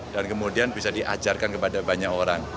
dan kemudian bisa diajarkan kepada banyak orang